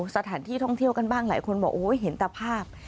สถานที่ท่องเที่ยวกันบ้างหลายคนบอกโอ้ยเห็นตภาพ